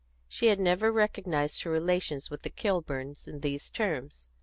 She had never recognised her relations with the Kilburns in these terms.